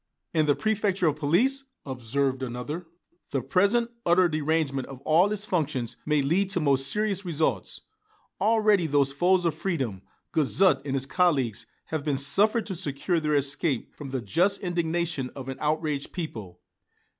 "And the préfecture of police," observed another "the present utter derangement of all its functions may lead to most serious results. Already those foes of freedom, Guizot and his colleagues, have been suffered to secure their escape from the just indignation of an outraged people.